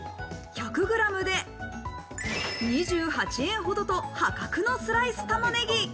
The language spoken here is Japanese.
１００グラムで２８円ほどと破格のスライス玉ねぎ。